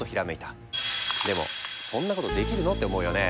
でもそんなことできるの？って思うよね？